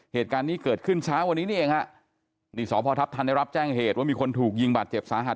เหตุการณ์นี้เกิดขึ้นเช้าวันนี้นี่เองฮะนี่สพทัพทันได้รับแจ้งเหตุว่ามีคนถูกยิงบาดเจ็บสาหัส